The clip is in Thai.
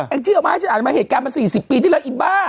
แอ้งเจี๊ยวมาให้ฉันอ่านมาเหตุการณ์มา๔๐ปีที่แล้วอีบบ้า